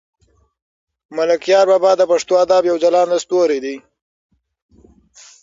ملکیار بابا د پښتو ادب یو ځلاند ستوری دی.